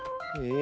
え